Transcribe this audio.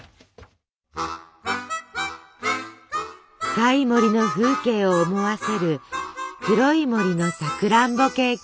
深い森の風景を思わせる黒い森のさくらんぼケーキ。